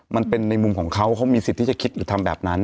มันเป็นในมุมของเขาเขามีสิทธิ์ที่จะคิดหรือทำแบบนั้น